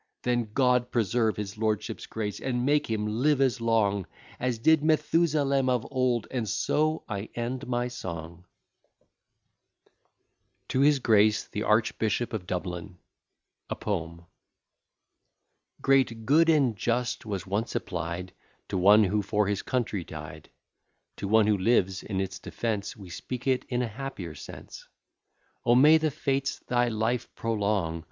Then God preserve his lordship's grace, and make him live as long As did Methusalem of old, and so I end my song. TO HIS GRACE THE ARCHBISHOP OF DUBLIN A POEM Serus in coelum redeas, diuque Laetus intersis populo. HOR., Carm. I, ii, 45. Great, good, and just, was once applied To one who for his country died;[l] To one who lives in its defence, We speak it in a happier sense. O may the fates thy life prolong!